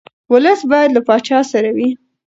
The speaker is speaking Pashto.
ولس باید له پاچا سره وي.